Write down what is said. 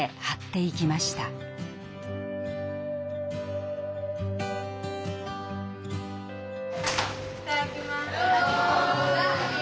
いただきます。